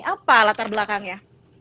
apa latar belakangnya